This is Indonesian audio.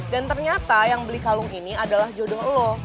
dan ternyata yang beli kalung ini adalah jodoh lo